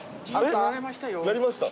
鳴りました？